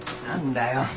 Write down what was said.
何だよ。